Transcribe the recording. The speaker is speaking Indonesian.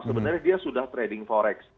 sebenarnya dia sudah trading forex